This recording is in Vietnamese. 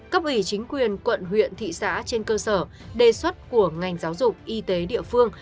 cấp ủy chính quyền quận huyện thị xã trên cơ sở đề xuất của ngành giáo dục y tế địa phương